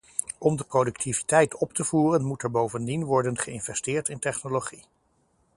Om de productiviteit op te voeren moet er bovendien worden geïnvesteerd in technologie.